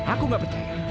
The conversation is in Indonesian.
aku nggak peduli